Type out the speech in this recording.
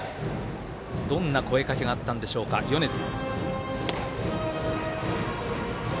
どんな声かけがあったんでしょうか、米津。